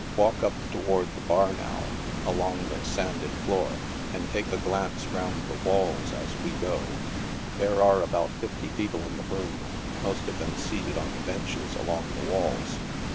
Walk up toward the bar, now, along the sanded floor, and take a glance round the walls as we go. Ihere are about fifty people in the room, most of them seated on the benches along the walls.